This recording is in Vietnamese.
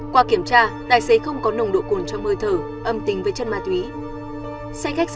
qua kiểm tra tài xế không có nồng độ cuồn trong hơi thở âm tính với chân ma túy